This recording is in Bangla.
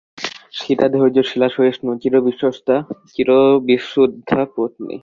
সীতা ধৈর্যশীলা, সহিষ্ণু, চির বিশ্বস্তা, চির বিশুদ্ধা পত্নী।